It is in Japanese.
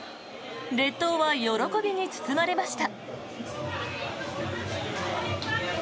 列島は喜びに包まれました。